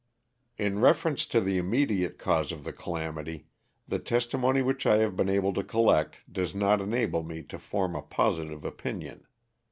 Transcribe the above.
*' In reference to the immediate cause of the calamity, the testimony which I have been able to collect does not enable me to form a positive opinion.